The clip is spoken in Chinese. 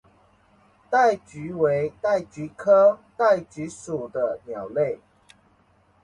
戴菊为戴菊科戴菊属的鸟类。